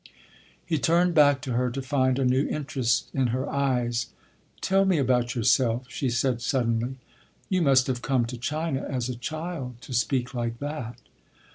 He turned back to her to find a new interest in her eyes. "Tell me about yourself," she said suddenly. "You must have come to China as a child to speak like that."